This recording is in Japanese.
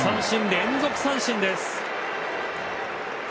連続三振です！